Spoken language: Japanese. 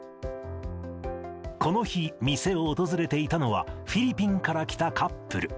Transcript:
この日、店を訪れていたのは、フィリピンから来たカップル。